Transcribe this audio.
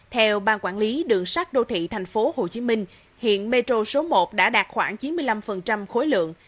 theo ban quản lý đường sát đô thị tp hcm hiện metro số một đã đạt khoảng chín mươi năm khối lượng